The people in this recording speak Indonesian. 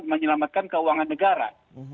menyelamatkan keuangan negara